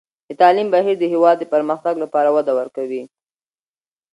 د تعلیم بهیر د هېواد د پرمختګ لپاره وده ورکوي.